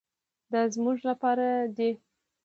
دا زموږ لپاره دي.